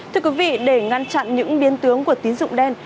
thưa quý vị để ngăn chặn những biến tướng của tín dụng đen